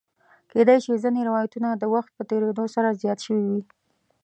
کېدای شي ځینې روایتونه د وخت په تېرېدو سره زیات شوي وي.